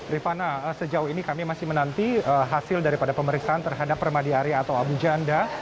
rifana sejauh ini kami masih menanti hasil daripada pemeriksaan terhadap permadi arya atau abu janda